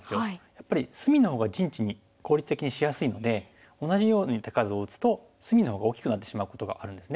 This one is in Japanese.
やっぱり隅の方が陣地に効率的にしやすいので同じように手数を打つと隅の方が大きくなってしまうことがあるんですね。